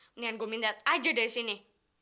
mendingan gue minta hati aja dari sini